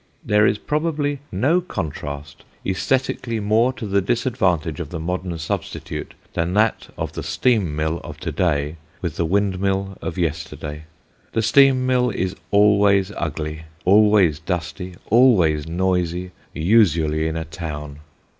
There is probably no contrast æsthetically more to the disadvantage of the modern substitute than that of the steam mill of to day with the windmill of yesterday. The steam mill is always ugly, always dusty, always noisy, usually in a town.